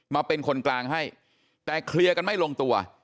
มาเป็นคนกลางให้แต่เคลียร์กันไม่ลงตัว